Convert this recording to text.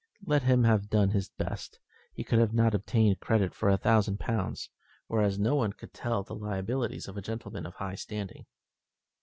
Let him have done his best, he could not have obtained credit for a thousand pounds; whereas, no one could tell the liabilities of a gentleman of high standing.